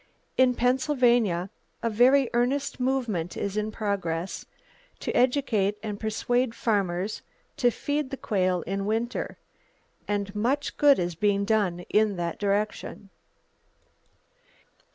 In Pennsylvania a very earnest movement is in progress to educate and persuade farmers to feed the quail in winter, and much good is being done in that direction.